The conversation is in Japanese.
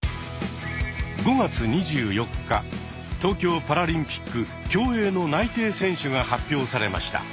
５月２４日東京パラリンピック競泳の内定選手が発表されました。